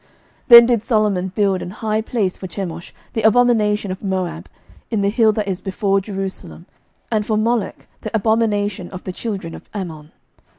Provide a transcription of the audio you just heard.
11:011:007 Then did Solomon build an high place for Chemosh, the abomination of Moab, in the hill that is before Jerusalem, and for Molech, the abomination of the children of Ammon.